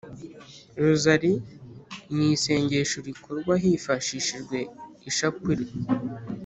rozari ni isengesho rikorwa hifashishijwe ishapule.